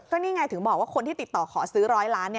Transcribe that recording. นี่ไงถึงบอกว่าคนที่ติดต่อขอซื้อ๑๐๐ล้าน